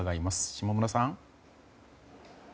下村さん。